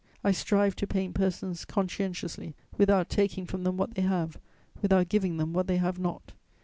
I strive to paint persons conscientiously, without taking from them what they have, without giving them what they have not.